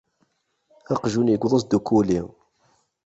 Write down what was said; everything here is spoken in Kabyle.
Aqjun, yewweḍ-as-d ukuli!